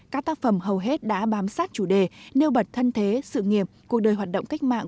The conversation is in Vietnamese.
các tác phẩm hầu hết đã bám sát chủ đề nêu bật thân thế sự nghiệp cuộc đời hoạt động cách mạng